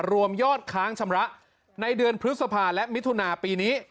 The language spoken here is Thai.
รวมยอดค้างชำระในเดือนพฤษภาและมิถุนาปีนี้